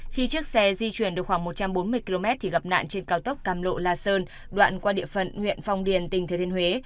khi chiếc xe di chuyển được khoảng một trăm bốn mươi km thì gặp nạn trên cao tốc cam lộ la sơn đoạn qua địa phận huyện phong điền tỉnh thừa thiên huế